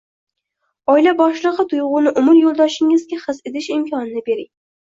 Oila boshlig‘i tuyg‘uni umr yo’ldoshingizga his etish imkonini bering.